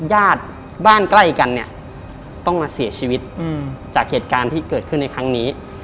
ญาติบ้านใกล้กันเนี่ยต้องมาเสียชีวิตจากเหตุการณ์ที่เกิดขึ้นในครั้งนี้